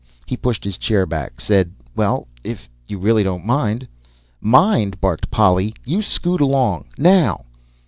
He pushed his chair back, said: "Well, if you really don't mind " "Mind!" barked Polly. "You scoot along now!"